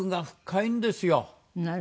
なるほど。